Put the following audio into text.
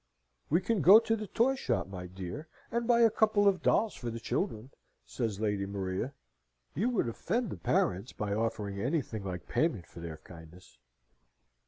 "We can go to the toy shop, my dear, and buy a couple of dolls for the children," says Lady Maria. "You would offend the parents by offering anything like payment for their kindness."